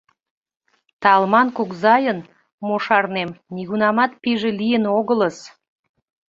Талман кугызайын, мо шарнем, нигунамат пийже лийын огылыс.